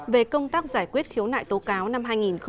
về công tác giải quyết khiếu nại tố cáo năm hai nghìn hai mươi